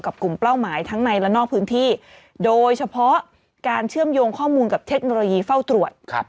กลุ่มเป้าหมายทั้งในและนอกพื้นที่โดยเฉพาะการเชื่อมโยงข้อมูลกับเทคโนโลยีเฝ้าตรวจ